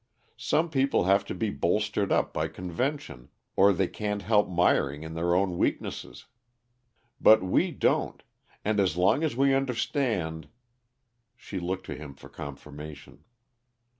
"Some people have to be bolstered up by conventions, or they can't help miring in their own weaknesses. But we don't; and as long as we understand " She looked to him for confirmation.